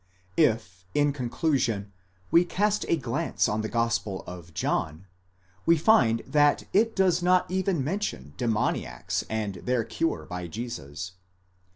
If in conclusion we cast a glance on the gospel of John, we find that it does not even mention demoniacs and their cure by Jesus.